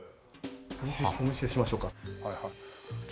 お見せしましょうか。